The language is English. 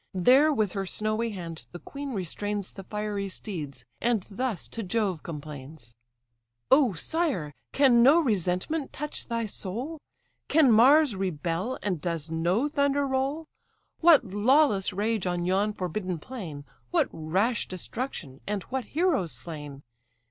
There with her snowy hand the queen restrains The fiery steeds, and thus to Jove complains: "O sire! can no resentment touch thy soul? Can Mars rebel, and does no thunder roll? What lawless rage on yon forbidden plain, What rash destruction! and what heroes slain!